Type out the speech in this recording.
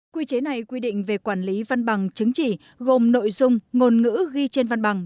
quy chế này quy định về quản lý văn bằng chứng chỉ gồm nội dung ngôn ngữ ghi trên văn bằng